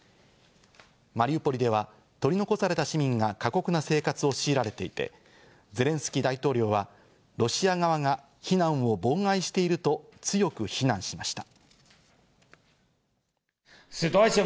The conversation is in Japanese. マリウポリでは取り残された市民が過酷な生活を強いられていて、ゼレンスキー大統領はロシア側が避難を妨害していると強く非難しました。